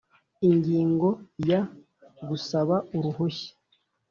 Ingingo ya Gusaba uruhushya